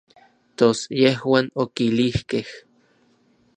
Tos yejuan okilijkej.